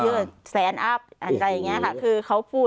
มีลองอับอยู่